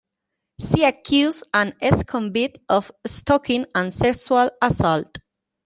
She accused an ex-convict of stalking and sexual assault.